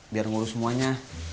biar ngurus semuanya